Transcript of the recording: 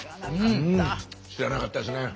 うん知らなかったですね。